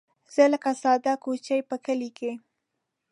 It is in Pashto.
زه لکه ساده کوچۍ په کلي کې